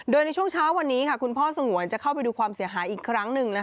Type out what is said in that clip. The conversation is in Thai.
โดยในช่วงเช้าวันนี้คุณพ่อสงวนจะเข้าไปดูความเสียหายอีกครั้งหนึ่ง